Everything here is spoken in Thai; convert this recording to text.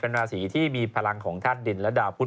เป็นราศิทธิ์ที่มีพลังของท่านดินและดาวพุทธ